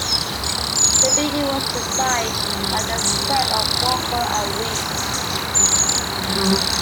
The building was designed by the firm of Walker and Weeks.